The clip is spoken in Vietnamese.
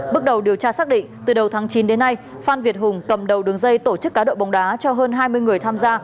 bước đầu điều tra xác định từ đầu tháng chín đến nay phan việt hùng cầm đầu đường dây tổ chức cá độ bóng đá cho hơn hai mươi người tham gia